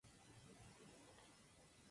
Tienes un programa visto por millones de niños.